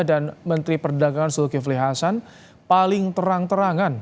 dan menteri perdagangan suluki vli hasan paling terang terangan